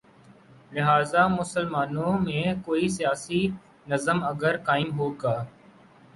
لہذا مسلمانوں میں کوئی سیاسی نظم اگر قائم ہو گا۔